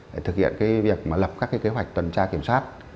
để thực hiện cái việc mà lập các kế hoạch tuần tra kiểm soát